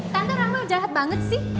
tante ramel jahat banget sih